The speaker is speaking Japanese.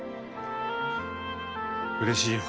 うれしいよ。